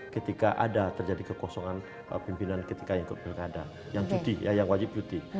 ketika ada terjadi kekosongan pimpinan ketika ikut pilkada yang cuti ya yang wajib cuti